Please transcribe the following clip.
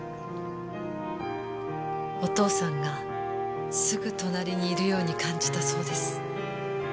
お父さんがすぐ隣にいるように感じたそうです。